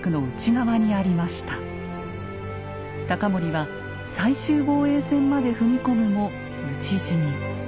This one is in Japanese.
高森は最終防衛線まで踏み込むも討ち死に。